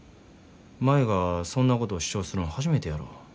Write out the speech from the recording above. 舞がそんなことを主張するん初めてやろ。